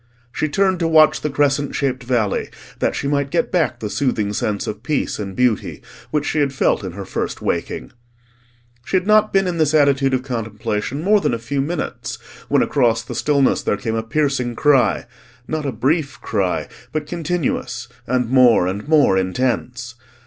She turned to watch the crescent shaped valley, that she might get back the soothing sense of peace and beauty which she had felt in her first waking. She had not been in this attitude of contemplation more than a few minutes when across the stillness there came a piercing cry; not a brief cry, but continuous and more and more intense.